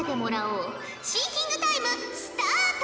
シンキングタイムスタート！